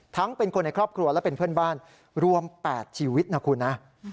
เป็นคนในครอบครัวและเป็นเพื่อนบ้านรวม๘ชีวิตนะคุณนะ